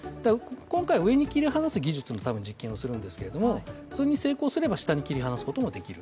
今回上に切り離す技術の実験をするんですけど、それに成功すれば下に切り離すこともできる。